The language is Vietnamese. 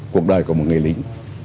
cuộc đời của một người lính